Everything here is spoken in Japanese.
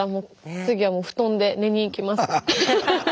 次は布団で寝に行きます。